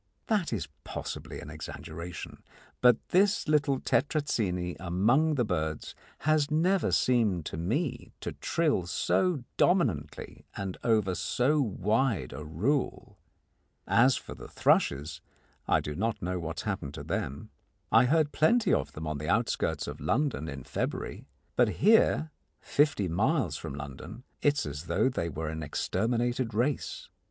That is possibly an exaggeration, but this little Tetrazzini among the birds has never seemed to me to trill so dominantly and over so wide a rule. As for the thrushes, I do not know what has happened to them. I heard plenty of them on the outskirts of London in February, but here, fifty miles from London, it is as though they were an exterminated race.